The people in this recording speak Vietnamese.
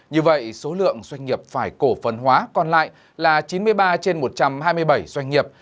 như vậy số lượng doanh nghiệp phải cổ phần hóa còn lại là chín mươi ba trên một trăm hai mươi bảy doanh nghiệp